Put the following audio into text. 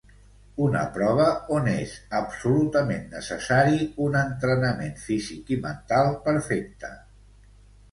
Una prova on és absolutament necessari un entrenament físic i mental perfecte.